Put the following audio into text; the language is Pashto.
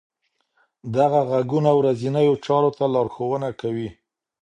دغه غږونه ورځنیو چارو ته لارښوونه کوي.